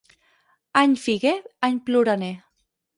Any figuer, any ploraner.